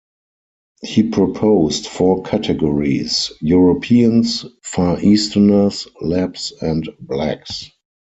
He proposed four categories: Europeans, Far Easterners, Lapps, and Blacks.